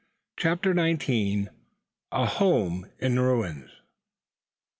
CHAPTER NINETEEN. A HOME IN RUINS.